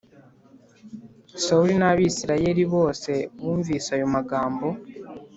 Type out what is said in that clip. Sawuli n’Abisirayeli bose bumvise ayo magambo